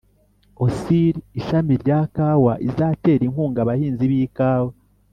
ocir ishami rya kawa izatera inkunga abahinzi b'ikawa